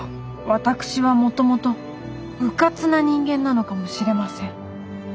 私はもともとうかつな人間なのかもしれません。